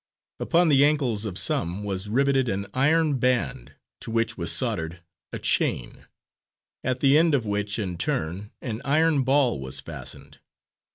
Upon the ankles of some was riveted an iron band to which was soldered a chain, at the end of which in turn an iron ball was fastened.